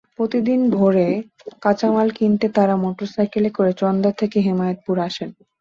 প্রতিদিন ভোরে কাঁচামাল কিনতে তাঁরা মোটরসাইকেলে করে চন্দ্রা থেকে হেমায়েতপুর আসেন।